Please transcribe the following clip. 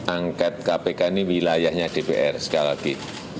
angket kpk ini wilayahnya dpr sekali lagi